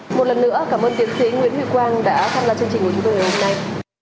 một lần nữa cảm ơn tiến sĩ nguyễn huy quang đã tham gia chương trình của chúng tôi ngày hôm nay